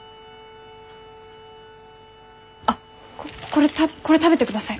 あっこれ食べてください